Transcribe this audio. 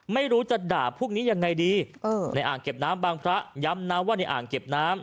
ไม่รู้จะด่าพวกนี้ยังไงดีในอ่างเก็บน้ำบางพระย้ำนะว่าในอ่างเก็บน้ำ